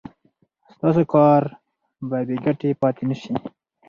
ستاسو کار به بې ګټې پاتې نشي.